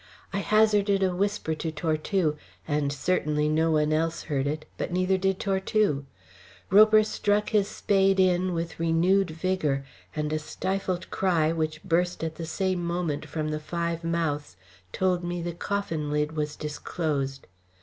I hazarded a whisper to Tortue, and certainly no one else heard it, but neither did Tortue. Roper struck his spade in with renewed vigour, and a stifled cry which burst at the same moment from the five mouths told me the coffin lid was disclosed.